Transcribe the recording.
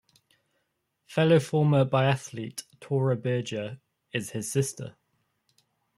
Fellow former biathlete Tora Berger is his sister.